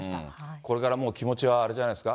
これからもう、気持ちはあれじゃないですか。